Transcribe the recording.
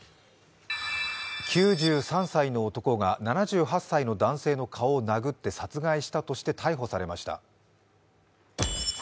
９３歳の男が７８歳の男性の顔を殴って殺害したとして逮捕されました。